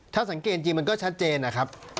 ถ้าสังเกตจริงมันก็ชัดเจนนะครับ